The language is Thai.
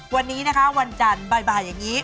วันนี้นะคะวันจันทร์บ่ายอย่างนี้